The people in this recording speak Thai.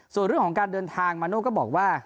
ส่วนเรื่องของการเดินทางมาโน่ก็บอกว่า